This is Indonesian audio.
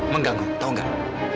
mengganggu tau gak